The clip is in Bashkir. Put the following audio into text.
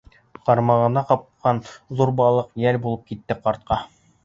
Ҡармағына ҡапҡан ҙур балыҡ йәл булып китте ҡартҡа.